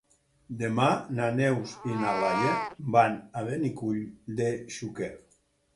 Demà na Neus i na Laia van a Benicull de Xúquer.